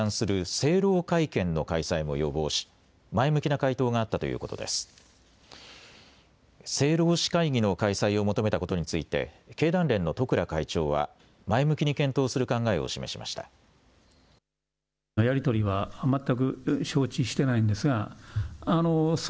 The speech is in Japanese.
政労使会議の開催を求めたことについて経団連の十倉会長は前向きに検討する考えを示しました。